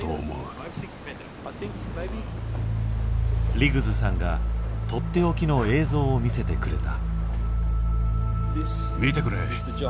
リグズさんが取って置きの映像を見せてくれた。